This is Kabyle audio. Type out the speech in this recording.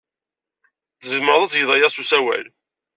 Tzemred ad tged aya s usawal.